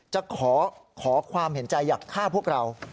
จะขอความเห็นใจอยากฆ่าพวกเรา